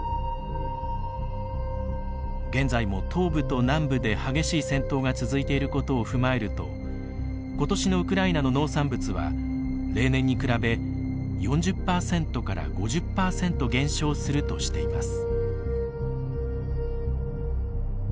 現在も東部と南部で激しい戦闘が続いていることを踏まえると今年のウクライナの農産物は例年に比べ４０％から５０％減少するとしています。